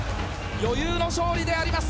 余裕の勝利であります！